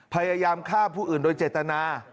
พยายามฆ่าผู้อื่นโดยเจตนา